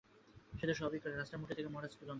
সে তো সবাই করে, রাস্তায় মুটে থেকে মহারাজ পর্যন্ত।